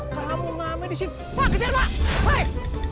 kamu mama di simpang kejar mbak